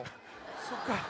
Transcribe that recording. そっか。